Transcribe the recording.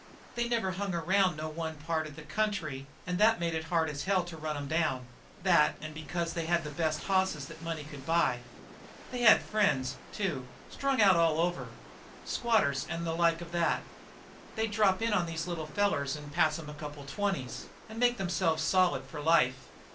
"They never hung around no one part of the country and that made it hard as hell to run 'em down that and because they had the best hosses that money could buy. They had friends, too, strung out all over squatters and the like of that. They'd drop in on these little fellers and pass 'em a couple of twenties and make themselves solid for life.